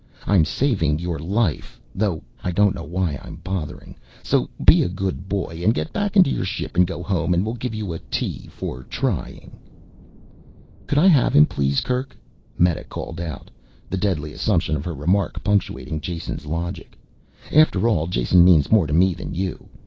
I'm saving your life though I don't know why I'm bothering so be a good boy and get back into your ship and go home and we'll give you a T for trying." "Could I have him, please Kerk?" Meta called out, the deadly assumption of her remark punctuating Jason's logic. "After all, Jason means more to me than you.